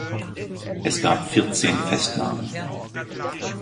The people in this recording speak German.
Es gab vierzehn Festnahmen.